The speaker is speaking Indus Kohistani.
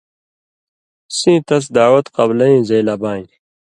سیں تَس دعوت قبلَیں زئ لا بانیۡ